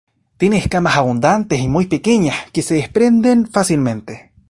Tiene escamas abundantes y muy pequeñas, que se desprenden fácilmente.